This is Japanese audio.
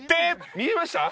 見えました？